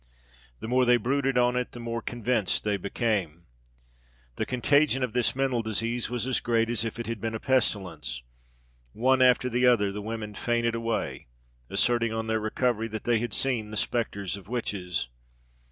The more they brooded on it, the more convinced they became. The contagion of this mental disease was as great as if it had been a pestilence. One after the other the women fainted away, asserting on their recovery that they had seen the spectres of witches.